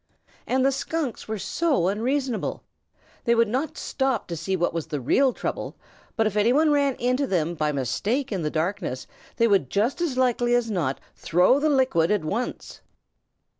And the Skunks were so unreasonable. They would not stop to see what was the real trouble, but if anybody ran into them by mistake in the darkness, they would just as likely as not throw the liquid at once.